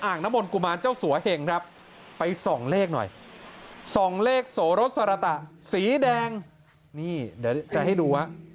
น้ำมนกุมารเจ้าสัวเหงครับไปส่องเลขหน่อยส่องเลขโสรสารตะสีแดงนี่เดี๋ยวจะให้ดูฮะ